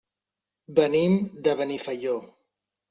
Venim de Benifaió.